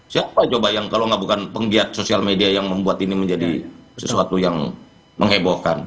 siapa coba yang kalau nggak bukan penggiat sosial media yang membuat ini menjadi sesuatu yang menghebohkan